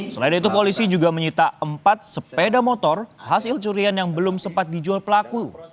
selain itu polisi juga menyita empat sepeda motor hasil curian yang belum sempat dijual pelaku